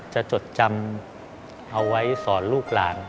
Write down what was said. จดจำเอาไว้สอนลูกหลาน